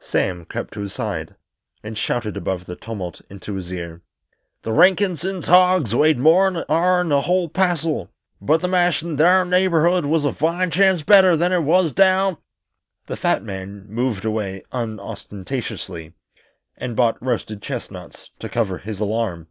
Sam crept to his side and shouted above the tumult into his ear: "The Rankinses' hogs weighed more'n ourn a whole passel, but the mast in thar neighborhood was a fine chance better than what it was down " The fat man moved away unostentatiously, and bought roasted chestnuts to cover his alarm.